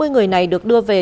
bốn mươi người này được đưa về